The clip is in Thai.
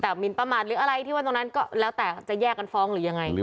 แต่มินประมาทหรืออะไรที่ว่าตรงนั้นก็แล้วแต่จะแยกกันฟ้องหรือยังไง